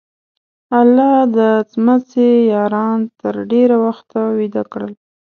الله د څمڅې یاران تر ډېره وخته ویده کړل.